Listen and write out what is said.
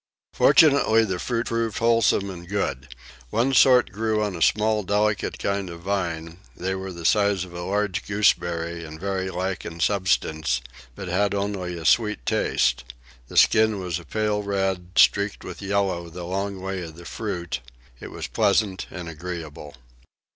Fortunately the fruit proved wholesome and good. One sort grew on a small delicate kind of vine; they were the size of a large gooseberry and very like in substance, but had only a sweet taste; the skin was a pale red, streaked with yellow the long way of the fruit: it was pleasant and agreeable.